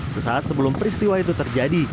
sesaat sebelum peristiwa itu terjadi